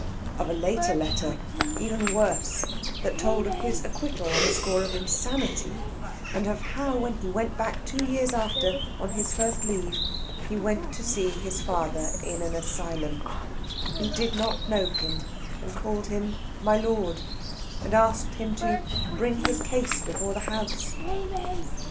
Of a later letter, even worse, that told of his acquittal on the score of insanity, and of how, when he went back two years after on his first leave, he went to see his father in an asylum; who did not know him and called him "my lord," and asked him to "bring his case before the house."